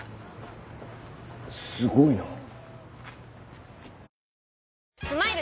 すごいな。